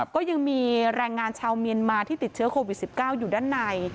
ก็ยังมีแรงงานชาวเมียนมาที่ติดเชื้อโควิด๑๙อยู่ด้านใน